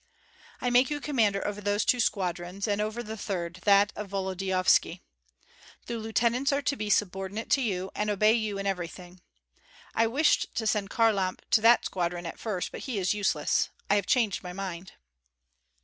I make you commander over those two squadrons, and over the third, that of Volodyovski. The lieutenants are to be subordinate to you and obey you in everything. I wished to send Kharlamp to that squadron at first, but he is useless. I have changed my mind."